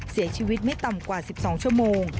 เสียชีวิตไม่ต่ำกว่า๑๒ชั่วโมง